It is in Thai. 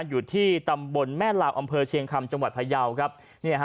อยู่ที่ตำบลแม่ลาวอำเภอเชียงคำจังหวัดพยาวครับเนี่ยฮะ